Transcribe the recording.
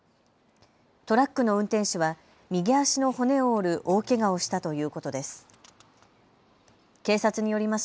トラックの運転手は右足の骨を折る大けがをしたということです。